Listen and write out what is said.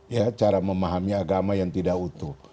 ya cara memahami agama yang tidak utuh